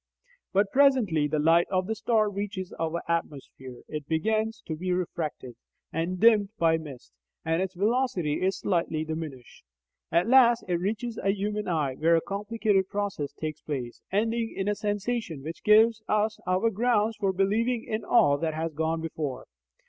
But presently the light of the star reaches our atmosphere. It begins to be refracted, and dimmed by mist, and its velocity is slightly diminished. At last it reaches a human eye, where a complicated process takes place, ending in a sensation which gives us our grounds for believing in all that has gone before.